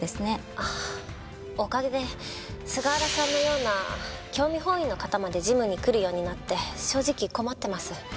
ああおかげで菅原さんのような興味本位の方までジムに来るようになって正直困ってます。